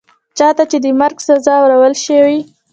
چا ته چي د مرګ سزا اورول شوې